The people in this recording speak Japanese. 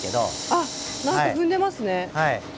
あ何か踏んでますね。